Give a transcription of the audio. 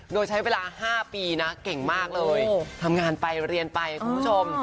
โดยใช้เวลา๕ปีนะเก่งมากเลยทำงานไปเรียนไปคุณผู้ชม